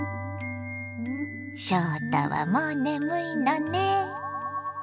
翔太はもう眠いのね。